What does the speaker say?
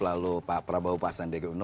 lalu pak prabowo pak sandiaga uno